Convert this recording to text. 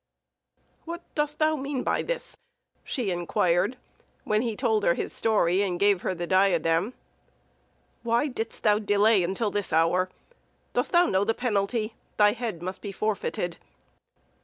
"What dost thou mean by this?" she inquired, when he told her his story and gave her the diadem. "Why didst thou delay until this hour? Dost thou know the penalty? Thy head must be forfeited."